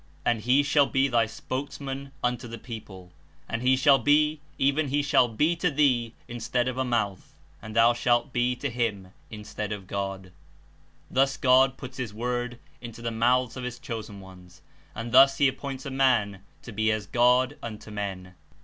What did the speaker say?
And he shall be thy spokesman unto the people: and he shall be, even he shall be to thee instead of a mouth and THOU SHALT BE TO HIM INSTEAD OF GoD.'' Thus God puts his Word into the mouths of his i8 Chosen Ones, and thus he appoints a man to be as God unto men.